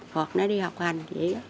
hoặc nó đi học hành